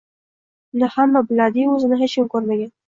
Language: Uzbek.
Uni hamma biladi-yu, o`zini hech kim ko`rmagan